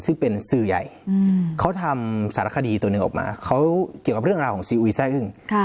ซึ่งเป็นสื่อใหญ่เขาทำสารคดีตัวหนึ่งออกมาเขาเกี่ยวกับเรื่องราวของซีอุยแซ่อึ้ง